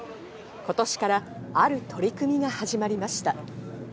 今年からある取り組みが始まりました。